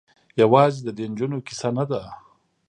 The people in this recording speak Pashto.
یوازې د دې نجونو کيسه نه ده.